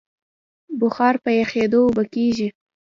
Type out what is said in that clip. بخار په یخېدو اوبه کېږي.